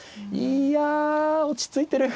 いや落ち着いてる。